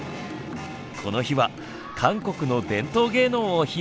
この日は韓国の伝統芸能を披露しました。